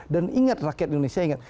dan ingat rakyat indonesia ingat